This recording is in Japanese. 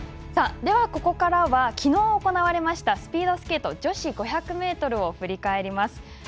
ここからは、きのう行われましたスピードスケート女子５００ｍを振り返ります。